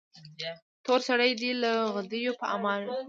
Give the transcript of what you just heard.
تور سرې دې له غدیو په امان وي.